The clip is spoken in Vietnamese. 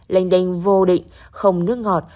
lênh đênh vô định không nước ngọt